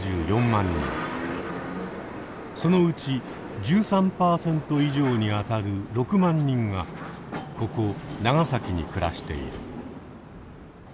そのうち１３％以上に当たる６万人がここ長崎に暮らしている。